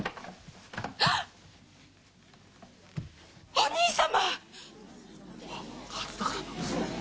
お兄様！